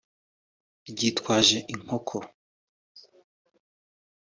ryitwaje inkoko